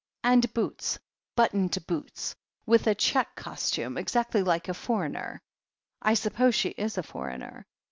And boots — ^buttoned boots. With a check costume— exactly like a for eigner." 1 suppose she is a foreigner."